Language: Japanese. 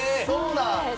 そうなん？